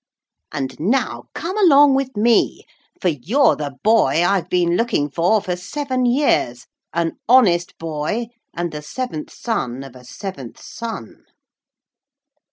And now come along with me, for you're the boy I've been looking for for seven years an honest boy and the seventh son of a seventh son.'